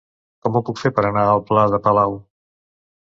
Com ho puc fer per anar al pla de Palau?